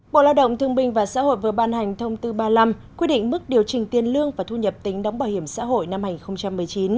bộ lao động thương minh và xã hội vừa ban hành thông tư ba mươi năm quy định mức điều chỉnh tiền lương và thu nhập tính đóng bảo hiểm xã hội năm hai nghìn một mươi chín